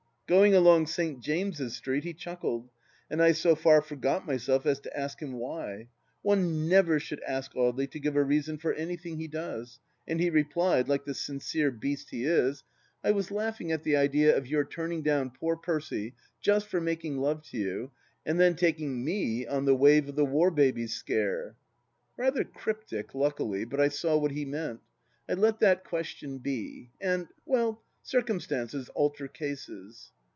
Going along St. James's Street, he chucMed, and I so far forgot myself as to ask him why— one never should ask Audely to give a reason for anything he does — and he replied, like the sincere beast he is : THE LAST DITCH 289 " I was laughing at the idea of your turning down poor Percy just for making love to you, and then taking me on the wave of the War Babies Scare." Rather cryptic, luckily, but I saw what he meant. I let that question be. And — ^well, circumstances alter cases.